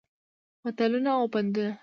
متلونه او پندونه